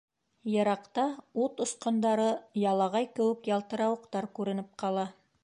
Йыраҡта ут осҡондары, ялағай кеүек ялтырауыҡтар күренеп ҡала.